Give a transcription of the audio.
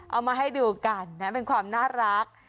เอามาให้ดูกันนะเป็นความน่ารัก